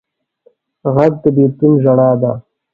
غږ د بېلتون ژړا ده